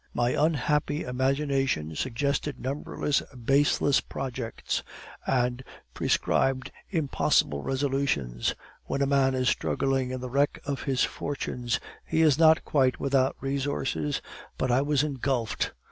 My unhappy imagination suggested numberless baseless projects, and prescribed impossible resolutions. When a man is struggling in the wreck of his fortunes, he is not quite without resources, but I was engulfed.